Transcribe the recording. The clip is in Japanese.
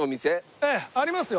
ええありますよ。